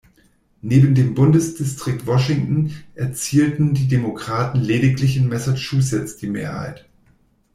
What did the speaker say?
Neben dem Bundesdistrikt Washington erzielten die Demokraten lediglich in Massachusetts die Mehrheit.